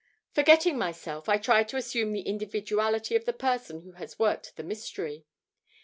Forgetting myself, I try to assume the individuality of the person who has worked the mystery.